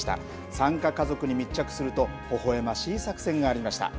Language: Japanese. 参加家族に密着すると、ほほえましい作戦がありました。